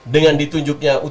dengan ditunjuknya u tujuh belas